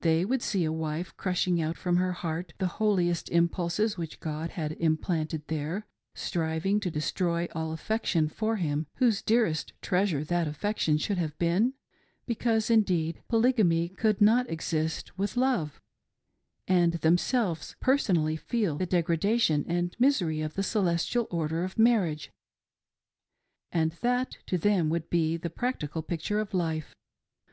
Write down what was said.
They would see a wife crushing out from her heart the holiest impulses which God had implanted there, striving to destroy all affection for him whose dearest treasure that affection should have been, because, indeed, Polygamy could not exist with love. They would see, and know, and them selves personally feel, the degradation and' misery of the " Celestial Order of Marriage "; and that to them would be the practical picture of life.